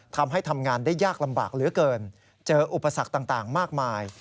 ทำงานได้ยากลำบากเหลือเกินเจออุปสรรคต่างมากมาย